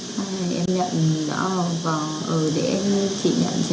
sau này em nhận vào để chị nhận xem hỏi con người ta có làm được không đấy